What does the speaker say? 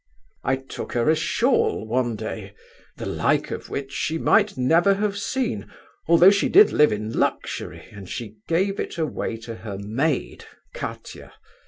I took her a shawl one day, the like of which she might never have seen, although she did live in luxury and she gave it away to her maid, Katia.